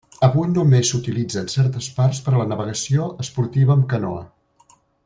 Avui només s'utilitza en certes parts per a la navegació esportiva amb canoa.